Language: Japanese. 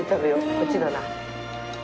こっちだな。